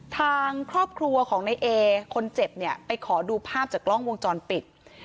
ทางครอบครัวของในเอคนเจ็บเนี่ยไปขอดูภาพจากกล้องวงจรปิด